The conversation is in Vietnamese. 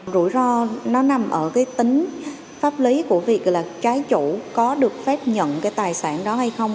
rủi ro nó nằm ở cái tính pháp lý của việc là trái chủ có được phép nhận cái tài sản đó hay không